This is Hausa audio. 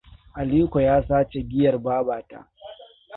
Aliko ya sace giyar babata.